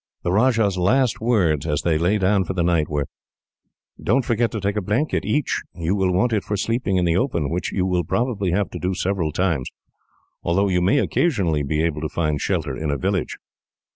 The Rajah's last words, as they lay down for the night, were: "Don't forget to take a blanket, each. You will want it for sleeping in the open, which you will probably have to do several times, although you may occasionally be able to find shelter in a village."